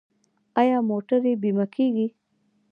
آیا موټرې بیمه کیږي؟